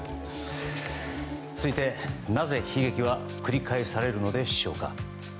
続いて、なぜ悲劇は繰り返されるのでしょうか。